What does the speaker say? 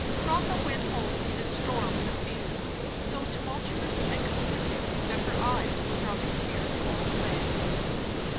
Rotha went home in a storm of feelings, so tumultuous and conflicting that her eyes were dropping tears all the way.